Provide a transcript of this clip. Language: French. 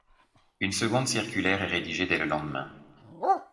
Une seconde circulaire est rédigée dès le lendemain.